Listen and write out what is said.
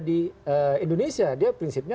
di indonesia dia prinsipnya